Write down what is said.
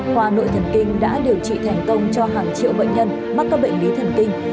khoa nội thần kinh đã điều trị thành công cho hàng triệu bệnh nhân mắc các bệnh lý thần kinh